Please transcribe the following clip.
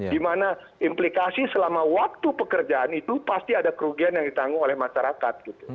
dimana implikasi selama waktu pekerjaan itu pasti ada kerugian yang ditanggung oleh masyarakat